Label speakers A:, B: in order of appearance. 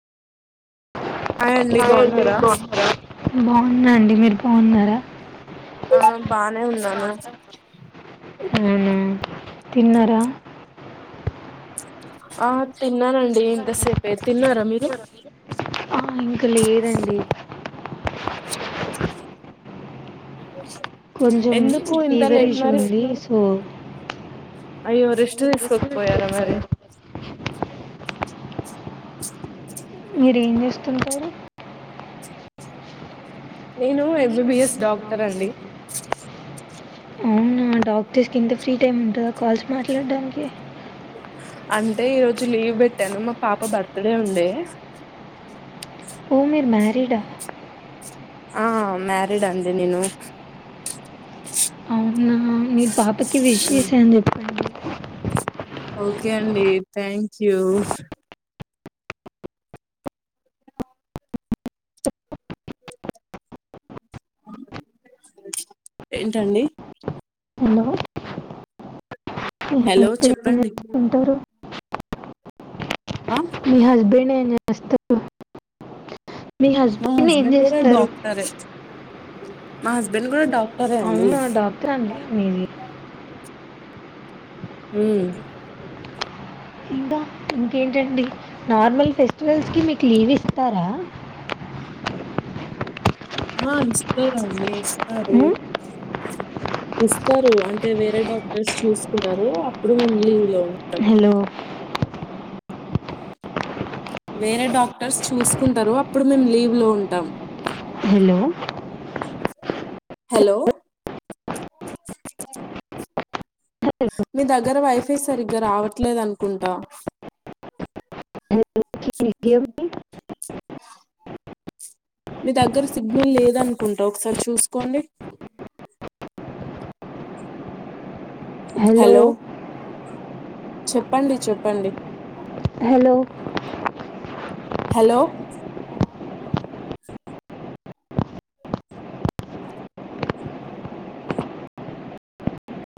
A: hi
B: hey అండి
A: బాగున్నారా
B: బాగున్నారా బాగున్నాండి మీరు బాగున్నారా
A: ఆ బానే ఉన్నాను
B: హ తిన్నార
A: ఆ తిన్నానండి ఎంతసేపే తిన్నారా మీరు
B: ఆ ఇంక లేదండి
A: [inaudible]
B: కొంచం
A: ఎందుకు ఇంత
B: ఫీవర్
A: లేట్
B: ఇషూ
A: మరి
B: ఉంది సో
A: అయ్యో రెస్ట్ తీసుకోకపోయారా మరి
B: మీరేం జేస్తుంటారు
A: నేను ఎంబీబిఎస్ డాక్టర్ అండి
B: అవునా డాక్టర్స్ కింత ఫ్రీ టైమ్ ఉంటదా కాల్స్ మాట్లాడడానికి
A: అంటే ఈరోజు లీవ్ పెట్టాను మా పాప బర్త్డే ఉండే
B: ఓ మీర్ మ్యారీడా
A: ఆ మ్యారిడ్ అంది నిను
B: అవునా మీ పాపకి విష్
A: ఉమ్,
B: చేశా అని చెప్పండి
A: ఓకే అండి థ్యాంక్ యూస్ ఏంటండి
B: హలో అం
A: హలో చెప్పండి
B: చేసుంటారు [unintelligible]
A: ఆ
B: మీ హస్బెండ్ ఏంచేస్తారు
A: మా హస్బెడ్ కూడా డాక్టర్ మా హస్బెండ్ కూడా డాక్ట
B: అవునా డాక్టర్ అండి మీది
A: హుమ్
B: ఇంకా ఇంకేంటండి నార్మల్ ఫెస్టివల్స్ కి మీకు లీవ్ ఇస్తారా [inaudible]
A: ఆ ఇస్తారండి ఇస్తారు ఇస్తరు అంటే వేరే డాక్టర్స్ చూసుకున్నారు అప్పుడు మేము లీవ్ లో ఉంటాం
B: హలో
A: వేరే డాక్టర్స్ చూసుకుంటరు అప్పుడు మేం లీవ్ లో ఉంటాం
B: హలో
A: హలో మీ దగ్గర వైఫై సరిగ్గా రావట్లేదనుకుంటా
B: [inaudible]
A: మీ దగ్గర సిగ్నల్ లేదనుకుంటా ఒకసారి చూసుకోండి
B: హలో
A: చెప్పండి చెప్పండి
B: హలో
A: హలో